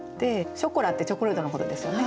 「ショコラ」ってチョコレートのことですよね。